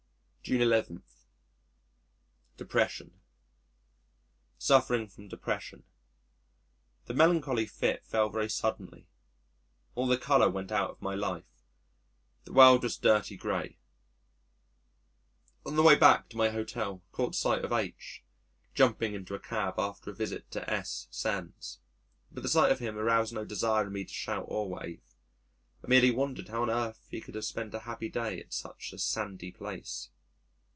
June 11. Depression Suffering from depression.... The melancholy fit fell very suddenly. All the colour went out of my life, the world was dirty gray. On the way back to my hotel caught sight of H , jumping into a cab, after a visit to S Sands. But the sight of him aroused no desire in me to shout or wave. I merely wondered how on earth he could have spent a happy day at such a Sandy place.